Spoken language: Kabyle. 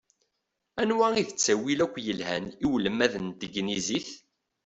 Anwa i d ttawil akk i yelhan i ulmad n tegnizit?